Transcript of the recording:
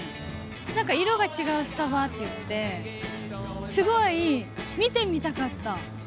なんか色が違うスタバっていって、すごい見てみたかった。